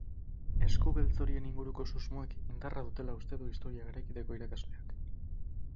Esku beltz horien inguruko susmoek indarra dutela uste du historia garaikideko irakasleak.